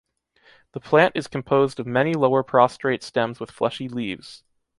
The plant is composed of many lower prostrate stems with fleshy leaves.